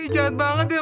jahat banget ya